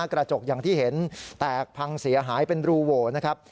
กระจกอย่างที่เห็นแตกพังเสียหายเป็นรูโหวนะครับ